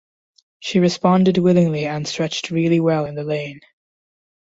She responded willingly and stretched really well in the lane.